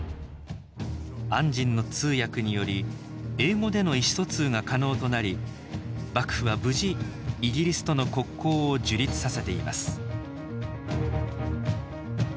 按針の通訳により英語での意思疎通が可能となり幕府は無事イギリスとの国交を樹立させています